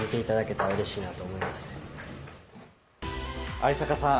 逢坂さん